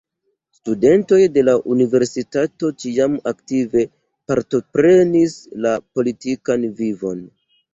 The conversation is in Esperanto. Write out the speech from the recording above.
Studentoj de la universitato ĉiam aktive partoprenis la politikan vivon.